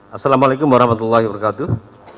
assalamu'alaikum warahmatullahi wabarakatuh